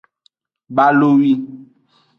Balowi.